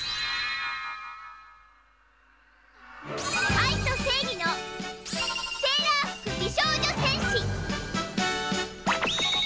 愛と正義のセーラー服美少女戦士。